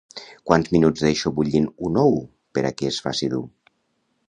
Quants minuts deixo bullint un ou per a que es faci dur?